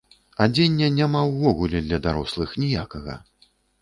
Адзення няма ўвогуле для дарослых, ніякага.